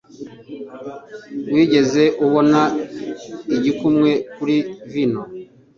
Wigeze ubona igikumwe kuri vino?